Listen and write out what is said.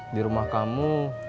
di rumah kamu